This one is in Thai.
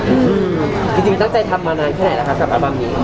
จริงตั้งใจทำมานานแค่ไหนแล้วครับสำหรับอาบั้มนี้